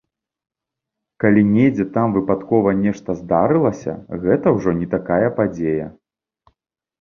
Калі недзе там выпадкова нешта здарылася, гэта ўжо не такая падзея.